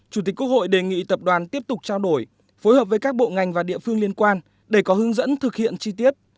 chủ tịch quốc hội đề nghị tập đoàn tiếp tục trao đổi phối hợp với các bộ ngành và địa phương liên quan để có hướng dẫn thực hiện chi tiết